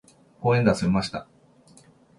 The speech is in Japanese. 公園で遊びました。